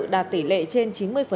đạt tỷ lệ trên chín mươi